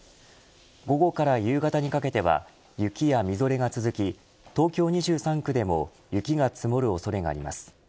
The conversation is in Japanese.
午後から夕方にかけては雪やみぞれが続き東京２３区でも雪が積もる恐れがあります。